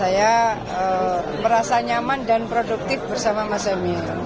saya merasa nyaman dan produktif bersama mas emil